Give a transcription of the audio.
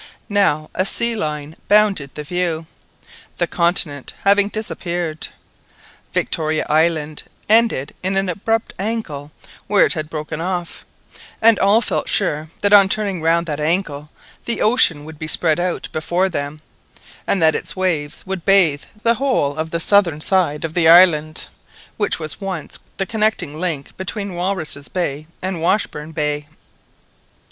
Now a sea line bounded the view, the continent having disappeared. Victoria Island ended in an abrupt angle where it had broken off, and all felt sure that on turning round that angle the ocean would be spread out before them, and that its waves would bathe the whole of the southern side of the island, which was once the connecting link between Walruses' Bay and Washburn Bay.